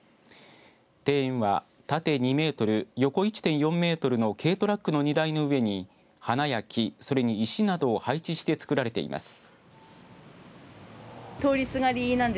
庭園は縦２メートル、横１．４メートルの軽トラックの荷台の上に花や木、それに石などを配置して作られています。